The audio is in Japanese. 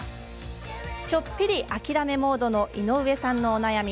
ちょっぴり諦めモードの井上さんのお悩み